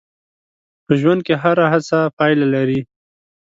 په ژوند کې هره هڅه پایله لري.